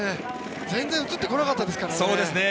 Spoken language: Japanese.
全然映ってこなかったですから。